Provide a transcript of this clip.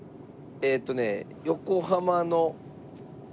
えっとね。